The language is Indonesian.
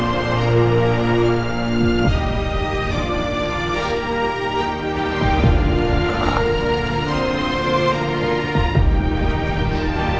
pangeran putri jalita